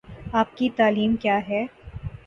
آپ کی تعلیم کیا ہے ؟